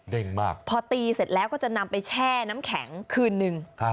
มากพอตีเสร็จแล้วก็จะนำไปแช่น้ำแข็งคืนนึง